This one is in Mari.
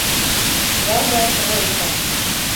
Гайда тройка!